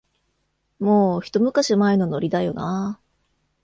もう、ひと昔前のノリだよなあ